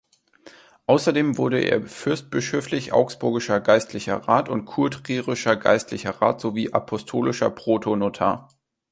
Außerdem wurde er fürstbischöflich augsburgischer geistlicher Rat und kurtrierischer geistlicher Rat sowie Apostolischer Protonotar.